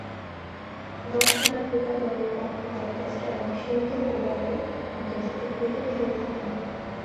দক্ষিণ আফ্রিকা দলের পক্ষ হয়ে টেস্ট এবং সীমিত ওভারের আন্তর্জাতিক ক্রিকেট খেলে থাকেন।